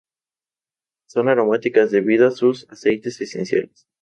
Son aromáticas debido a sus aceites esenciales.